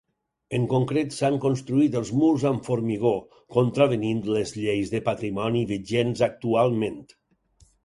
En concret, s'han construït els murs amb formigó, contravenint les lleis de patrimoni vigents actualment.